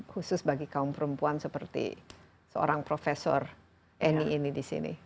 khusus bagi kaum perempuan seperti seorang profesor eni ini di sini